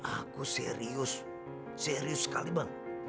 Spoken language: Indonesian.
aku serius serius sekali bang